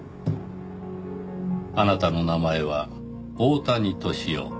あなたの名前は大谷敏夫。